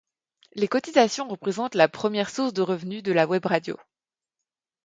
Les cotisations représentent la première source de revenu de la webradio.